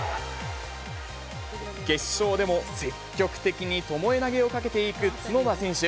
決勝でも積極的にともえ投げをかけていく角田選手。